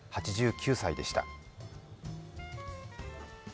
８９歳でした。